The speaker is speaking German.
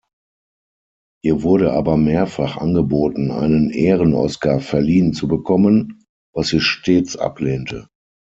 Ihr wurde aber mehrfach angeboten, einen Ehrenoscar verliehen zu bekommen, was sie stets ablehnte.